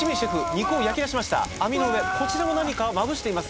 肉を焼きだしました網の上こちらも何かまぶしています